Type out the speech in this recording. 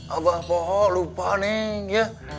abah pohok lupa neng